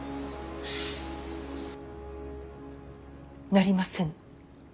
なりませぬ。